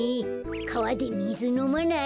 かわでみずのまない？